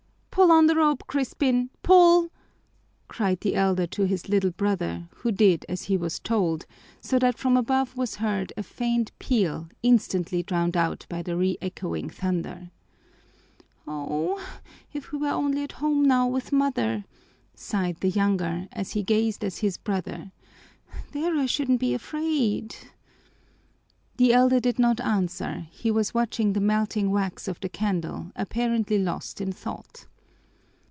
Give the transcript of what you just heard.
"Pull on the rope, Crispin, pull!" cried the elder to his little brother, who did as he was told, so that from above was heard a faint peal, instantly drowned out by the reechoing thunder. "Oh, if we were only at home now with mother," sighed the younger, as he gazed at his brother. "There I shouldn't be afraid." The elder did not answer; he was watching the melting wax of the candle, apparently lost in thought.